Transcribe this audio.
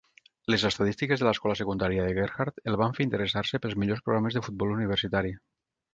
Les estadístiques de l'escola secundària de Gerhart el van fer interessar-se pels millors programes de futbol universitari.